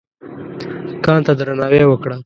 کان ته درناوی وکړه.